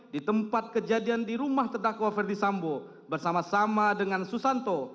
di tempat kejadian di rumah terdakwa ferdi sambo bersama sama dengan susanto